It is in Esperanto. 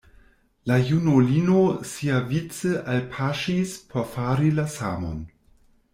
La junulino siavice alpaŝis por fari la samon.